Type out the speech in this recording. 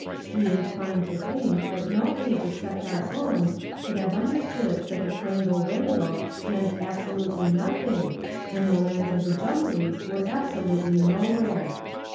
We incline to think that no age except our own could have under stood that the Quangle Wangle meant ab solutely nothing, and the Lands of the Jum blies were absolutely nowhere.